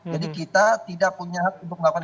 jadi kita tidak punya hak untuk melakukan